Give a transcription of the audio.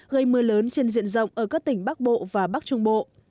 gây mưa lớn trên diện rộng ở các tỉnh bắc bộ và bắc trung bộ